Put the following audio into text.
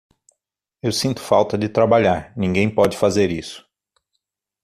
Eu sinto falta de trabalhar, ninguém pode fazer isso.